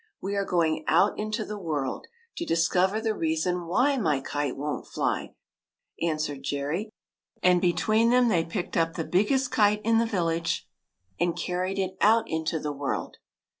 "We are going out into the world, to dis cover the reason why my kite won't fly," answered Jerry ; and between them they picked up the biggest kite in the village and carried it out into the world.